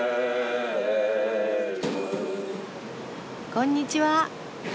こんにちは。